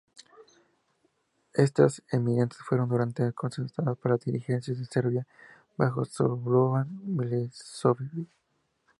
Estas enmiendas fueron duramente contestadas por la dirigencia de Serbia bajo Slobodan Milošević.